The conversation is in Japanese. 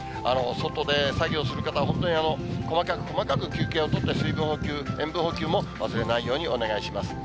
外で作業する方は、本当に細かく細かく休憩を取って、水分補給、塩分補給も忘れないようにお願いします。